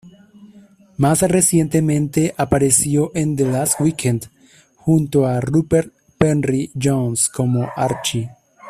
Más recientemente apareció en "The Last Weekend", junto a Rupert Penry-Jones, como Archie.